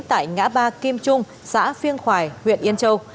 tại ngã ba kim trung xã phiêng khoài huyện yên châu